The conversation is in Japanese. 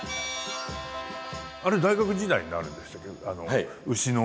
あれ大学時代になるんでしたっけ？